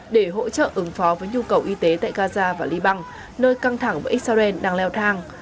để hỗ trợ ứng phó với nhu cầu y tế tại gaza và liban nơi căng thẳng với israel đang leo thang